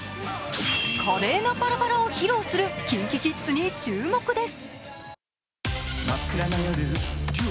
華麗なパラパラを披露するＫｉｎＫｉＫｉｄｓに注目です。